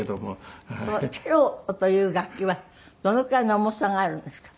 そのチェロという楽器はどのくらいの重さがあるんですか？